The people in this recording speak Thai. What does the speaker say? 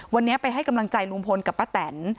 วันนี้ไปให้กำลังใจลุงพลกับป้าแตน